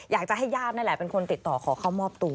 อยากจะให้ญาตินั่นแหละเป็นคนติดต่อขอเข้ามอบตัว